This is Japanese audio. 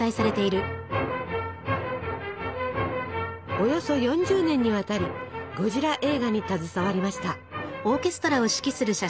およそ４０年にわたりゴジラ映画に携わりました。